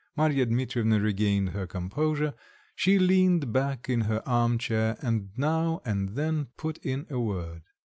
Marya Dmitrievna regained her composure, she leaned back in her arm chair and now and then put in a word.